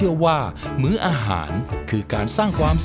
มีกันแม้อาหารอะไร